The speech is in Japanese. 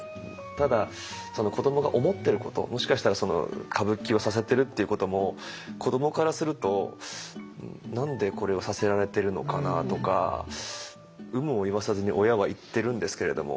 ただ子どもが思ってることもしかしたら歌舞伎をさせてるっていうことも子どもからすると何でこれをさせられてるのかなとか有無を言わさずに親は言ってるんですけれども。